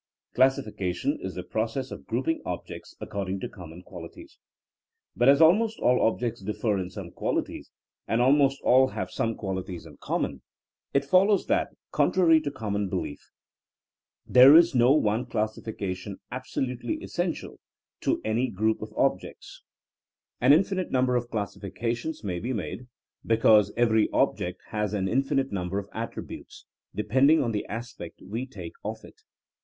Classification is the process of grouping objects according to com mon qualities. But as almost all objects differ in some qualities and almost all have some qualities in common, it follows that, contrary to common belief, there is no one classification ab solutely essential to any group of objects. An 18 THINKINO A8 A SCIENCE infinite number of classifications may be made, because every object has an infinite number of attributes, depending on the aspect we take of it.